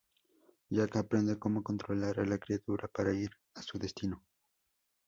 Jack aprende como controlar a la criatura para ir a su destino.